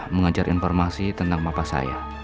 mengajar informasi tentang papa saya